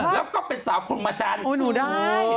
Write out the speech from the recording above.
แล้วก็เป็นสาวคนมจริงโอ้วหนูได้